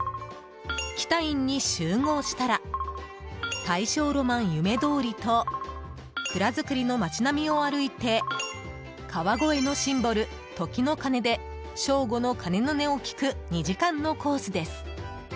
喜多院に集合したら大正浪漫夢通りと蔵造りの街並みを歩いて川越のシンボル、時の鐘で正午の鐘の音を聴く２時間のコースです。